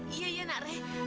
iya iya nak raih